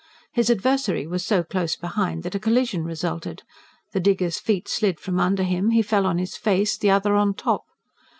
His adversary was so close behind that a collision resulted; the digger's feet slid from under him, he fell on his face, the other on top.